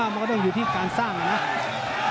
มันก็ต้องอยู่ที่การสร้างนะ